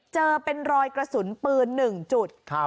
เจอเป็นรอยกระสุนปืน๑จุด